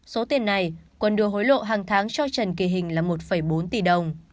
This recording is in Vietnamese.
số tiền này quân đưa hối lộ hàng tháng cho trần kỳ hình là một bốn tỷ đồng